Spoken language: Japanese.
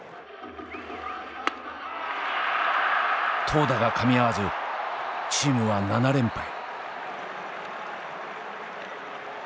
投打がかみ合わずチームは７連敗。